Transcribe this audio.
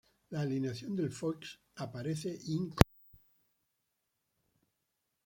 La alineación del Foix aparece incompleta.